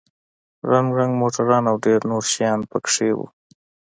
رنگ رنگ موټران او ډېر نور شيان پکښې وو.